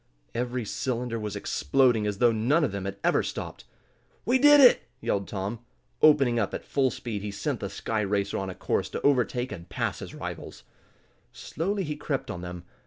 Every cylinder was exploding as though none of them had ever stopped! "We did it!" yelled Tom. Opening up at full speed, he sent the sky racer on the course to overtake and pass his rivals. Slowly he crept on them.